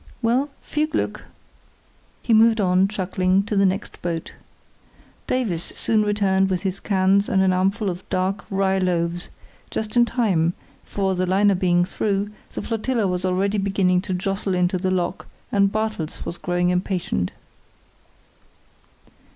Well, viel Glück!" He moved on, chuckling, to the next boat. Davies soon returned with his cans and an armful of dark, rye loaves, just in time, for, the liner being through, the flotilla was already beginning to jostle into the lock and Bartels was growing impatient.